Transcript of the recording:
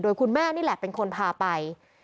คุณแม่นี่แหละเป็นคนพาไป